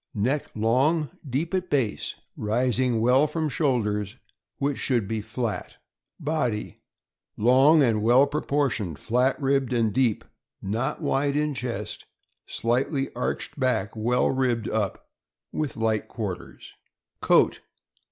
— Neck long, deep at base, rising well from shoulders, which should be flat. Body. — Long and well proportioned, flat ribbed, and deep, not wide in chest; slightly arched back, well ribbed up, with light quarters. Coat.